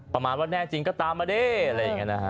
ประมาณว่าแน่จริงก็ตามมาเด้อะไรอย่างนี้นะฮะ